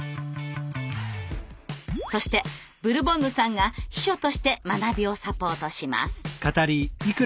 そしてブルボンヌさんが秘書として学びをサポートします。